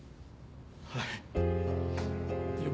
はい。